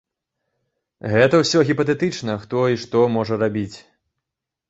Гэта ўсё гіпатэтычна, хто і што можа рабіць.